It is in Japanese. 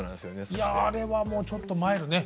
いやあれはもうちょっと参るね。